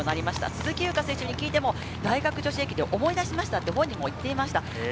鈴木優花選手に聞いても「大学駅伝を思い出しました」と話していました。